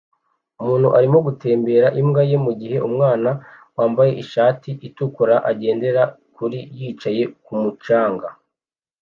Umuntu arimo gutembera imbwa ye mugihe umwana wambaye ishati itukura agendera kuri yicaye kumu canga